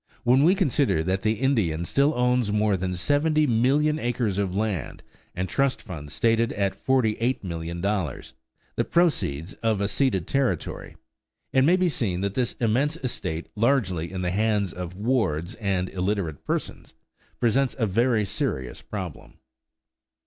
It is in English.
When we consider that the Indian still owns more than 70,000,000 acres of land, and trust funds stated at $48,000,000, the proceeds of ceded territory, it may be seen that this immense estate largely in the hands of "wards" and illiterate persons presents a very serious problem.